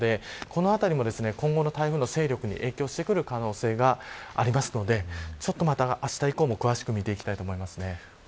このあたりも今後の台風の勢力に影響する可能性がありますのであした以降も詳しく見ていきたいと思います。